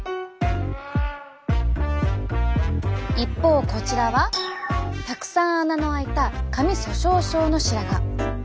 一方こちらはたくさん穴のあいた髪粗しょう症の白髪。